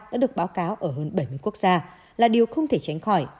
đã được báo cáo ở hơn bảy mươi quốc gia là điều không thể tránh khỏi